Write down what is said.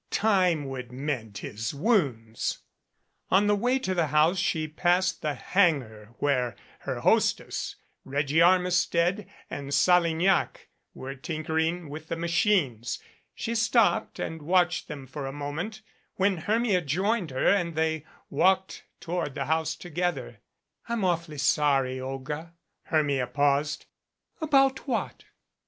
Time would mend his wounds. On the way to the house she passed the hangar where her hostess, Reggie Armistead and Salignac were tinkering with the machines. She stopped and watched them for a moment, when Hermia joined her and they walked toward the house together. "I'm awfully sorry, Olga " Hermia paused. "About what?"